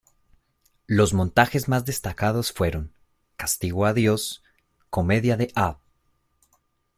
Los montajes más destacados fueron "Castigo a Dios", "Comedia de av.